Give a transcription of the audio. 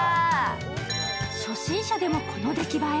初心者でもこの出来栄え。